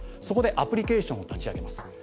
そこでアプリケーションを立ち上げます。